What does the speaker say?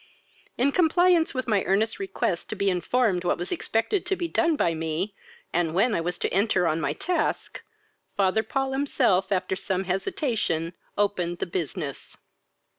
In compliance with my earnest request to be informed what was expected to be done by me, and when I was to enter on my task, father Paul himself, after some little hesitation, opened the business.